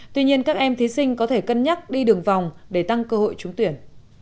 tuy nhiên các em thí sinh có thể cân nhắc đi đường vòng để tăng cơ hội trúng tuyển